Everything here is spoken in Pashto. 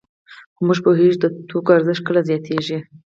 خو موږ پوهېږو د توکو ارزښت کله زیاتېږي